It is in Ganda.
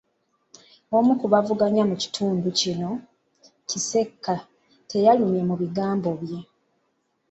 Omu ku bavuganya mu kitundu kino, Kisekka, teyalumye mu bigambo bye.